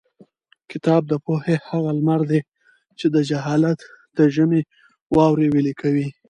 کتاب د پوهې هغه لمر دی چې د جهالت د ژمي واورې ویلي کوي.